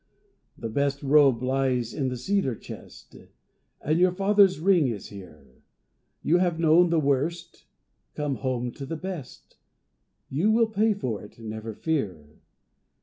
The best robe lies in the cedar chest, And your father's ring is here; You have known the worst, come home to the best You will pay for it, never fear!